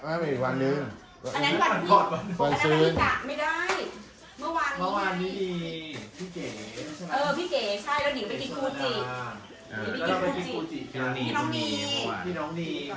จริงนั่งคุยอย่างนึง๑ชั่วโมงนึงจำไม่ได้เลยครับ